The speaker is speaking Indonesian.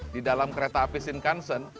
di dalam kereta api shinkansen